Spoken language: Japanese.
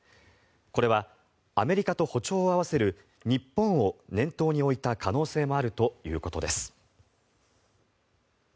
これはアメリカと歩調を合わせる日本を念頭に置いた可能性もあるということです。